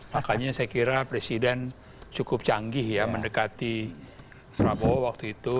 makanya saya kira presiden cukup canggih ya mendekati prabowo waktu itu